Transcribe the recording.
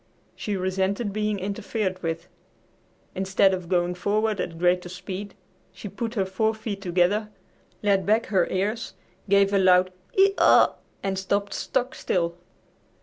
She resented being interfered with. Instead of going forward at greater speed, she put her four feet together, laid back her ears, gave a loud "hee haw!" and stopped stock still.